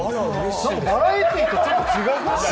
バラエティーとちょっと違くない？